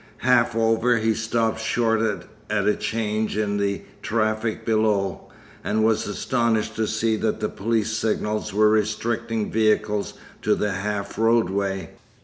Half over, he stopped short at a change in the traffic below; and was astonished to see that the police signals were restricting vehicles to the half roadway.